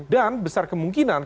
dan besar kemungkinan